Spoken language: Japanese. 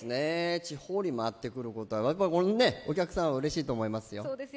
地方に回ってくることは、お客さんはうれしいと思いますよ。